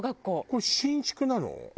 これ新築なの？